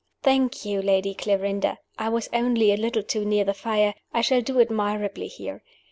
"Thank you, Lady Clarinda; I was only a little too near the fire. I shall do admirably here.